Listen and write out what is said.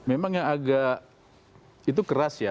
memang yang agak itu keras ya